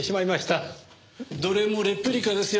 どれもレプリカですよ。